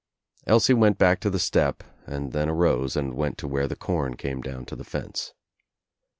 Elsie went back to the step and then arose and went to where the com came down to the fence.